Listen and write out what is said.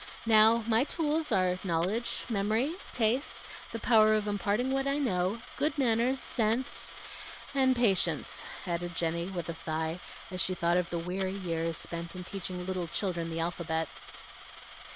Now, my tools are knowledge, memory, taste, the power of imparting what I know, good manners, sense, and patience," added Jenny, with a sigh, as she thought of the weary years spent in teaching little children the alphabet.